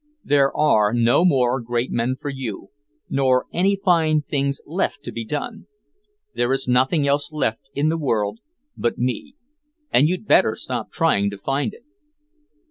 There are no more great men for you, nor any fine things left to be done. There is nothing else left in the world but me. And you'd better stop trying to find it."